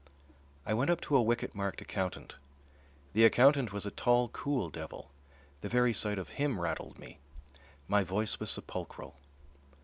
I went up to a wicket marked "Accountant." The accountant was a tall, cool devil. The very sight of him rattled me. My voice was sepulchral.